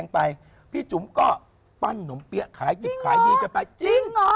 พี่จุ๋มก็ปั้นหนมเปี๊ยะขายจิบขายยีมไปจริงหรอ